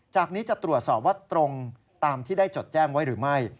จากนี้จะตรวจสอบว่าตรงตามที่ได้จดแจ้งไว้หรือไม่